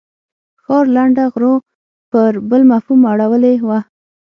ښار لنډه غرو پر بل مفهوم اړولې وه.